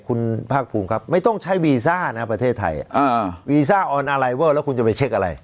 คุณภาคภูมิครับไม่ต้องใช้วีซ่านะประเทศไทยวีซ่าออนอะไรเวอร์แล้วคุณจะไปเช็คอะไร